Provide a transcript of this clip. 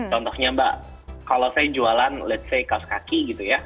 contohnya mbak kalau saya jualan let's say kaos kaki gitu ya